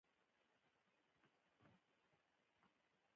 دوه دانې کاربني الکترودونه په محلول کې ور د ننه کړئ.